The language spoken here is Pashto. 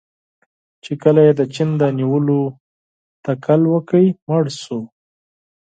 چې کله یې د چین د نیولو تکل وکړ، مړ شو.